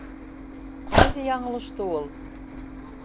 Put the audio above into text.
Ҡайҙа яңылышты ул?